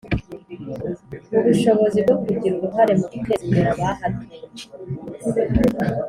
ubushobozi bwo kugira uruhare mu guteza imbere abahatuye